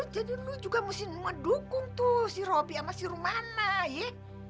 jadi lo juga mesti ngedukung tuh si robby sama si rumah nah ye